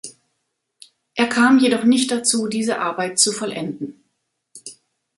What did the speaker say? Er kam jedoch nicht dazu, diese Arbeit zu vollenden.